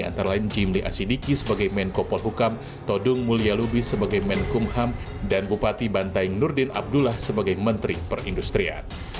antara lain jimli asidiki sebagai menkopol hukam todung mulyalubi sebagai menkumham dan bupati bantaing nurdin abdullah sebagai menteri perindustrian